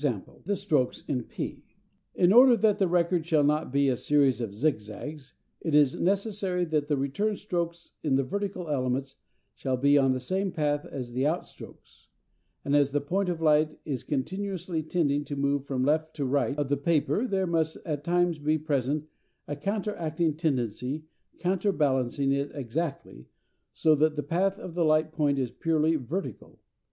_ the stroke in p. In order that the record shall not be a series of zigzags it is necessary that the return strokes in the vertical elements shall be on the same path as the out strokes; and as the point of light is continuously tending to move from left to right of the paper there must at times be present a counteracting tendency counterbalancing it exactly, so that the path of the light point is purely vertical.